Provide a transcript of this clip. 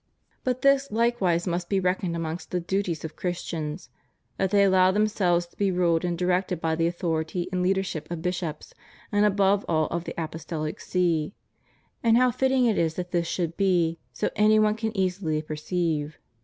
But this hkewise must be reckoned amongst the duties of Christians, that they allow themselves to be ruled and directed by the authority and leadership of bishops, and above all of the Apostolic See. And how fitting it is that this should be so any one can easily perceive.